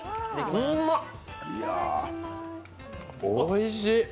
おいしい！